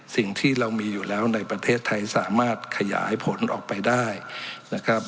สิ่งที่เรามีอยู่แล้วในประเทศไทยสามารถขยายผลออกไปได้นะครับ